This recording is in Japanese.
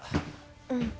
うん。